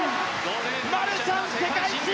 マルシャン、世界新！